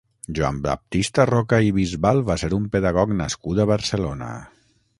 Joan Baptista Roca i Bisbal va ser un pedagog nascut a Barcelona.